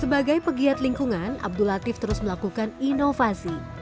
sebagai pegiat lingkungan abdul latif terus melakukan inovasi